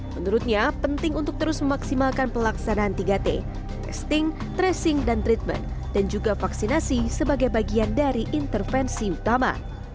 menurutnya penting untuk terus memaksimalkan pelaksanaan tiga t testing tracing dan treatment dan juga vaksinasi sebagai bagian dari intervensi utama